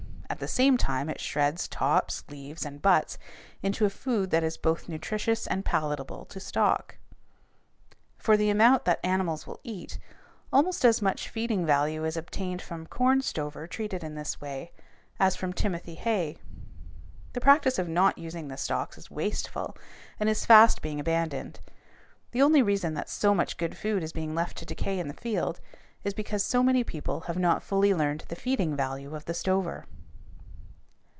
At the same time it shreds tops, leaves, and butts into a food that is both nutritious and palatable to stock. For the amount that animals will eat, almost as much feeding value is obtained from corn stover treated in this way as from timothy hay. The practice of not using the stalks is wasteful and is fast being abandoned. The only reason that so much good food is being left to decay in the field is because so many people have not fully learned the feeding value of the stover.